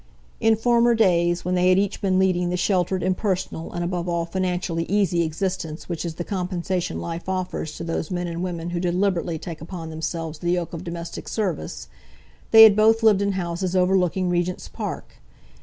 In former days, when they had each been leading the sheltered, impersonal, and, above all, financially easy existence which is the compensation life offers to those men and women who deliberately take upon themselves the yoke of domestic service, they had both lived in houses overlooking Regent's Park.